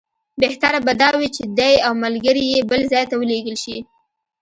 بهتره به دا وي چې دی او ملګري یې بل ځای ته ولېږل شي.